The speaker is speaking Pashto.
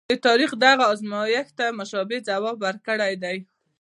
د تاریخ دغه ازمایښت ته مشابه ځواب ورکړی دی.